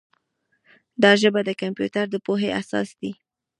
دا ژبه د کمپیوټر د پوهې اساس دی.